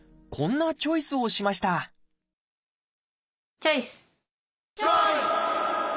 こんなチョイスをしましたチョイス！